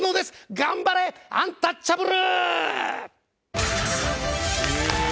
頑張れアンタッチャブル！